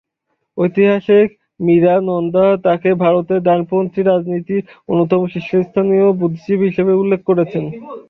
ঐতিহাসিক মীরা নন্দা তাঁকে ভারতের ডানপন্থী রাজনীতির অন্যতম শীর্ষস্থানীয় বুদ্ধিজীবী হিসাবে উল্লেখ করেছেন।